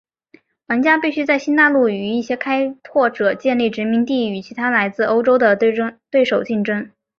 玩家必须在新大陆与一些开拓者建立殖民地与其他来自欧洲的对手竞争。